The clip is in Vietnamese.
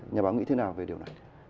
nhà bóng nguyễn thế nào về điều này